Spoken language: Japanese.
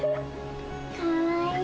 かわいい。